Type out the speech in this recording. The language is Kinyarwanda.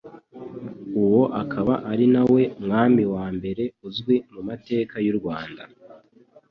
Uwo akaba ari nawe Mwami wa mbere uzwi mu Mateka y'u Rwanda